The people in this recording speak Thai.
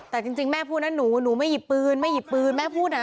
แต่จริงแม่พูดนะหนูหนูไม่หยิบปืนไม่หยิบปืนแม่พูดนะ